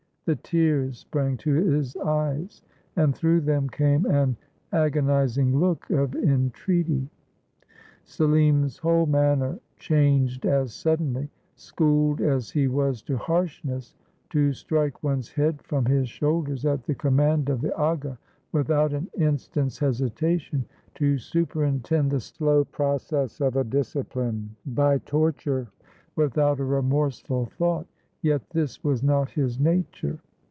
The tears sprang to his eyes, and through them came an agonizing look of entreaty. Selim's whole manner changed as suddenly. Schooled as he was to harshness; to strike one's head from his shoulders at the command of the aga without an in stant's hesitation; to superintend the slow process of a "discipline " by torture, without a remorseful thought; — yet this was not his nature.